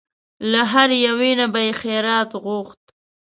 له هرې یوې نه به یې خیرات غوښت.